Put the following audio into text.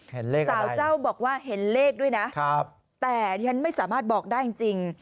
สาวเจ้าบอกว่าเห็นเลขด้วยนะแต่ฉันไม่สามารถบอกได้จริง